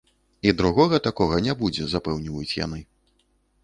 І другога такога не будзе, запэўніваюць яны.